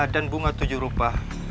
dan bunga tujuh rupah